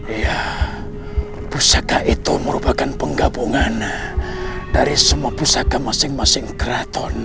ya pusaka itu merupakan penggabungan dari semua pusaka masing masing keraton